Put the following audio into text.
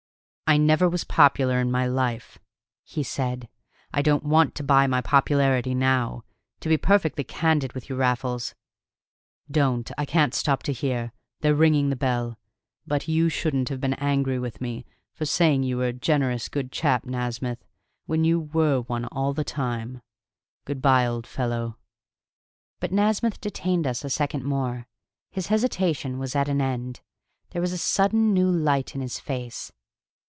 "I never was popular in my life," he said. "I don't want to buy my popularity now. To be perfectly candid with you, Raffles " "Don't! I can't stop to hear. They're ringing the bell. But you shouldn't have been angry with me for saying you were a generous good chap, Nasmyth, when you were one all the time. Good by, old fellow!" But Nasmyth detained us a second more. His hesitation was at an end. There was a sudden new light in his face.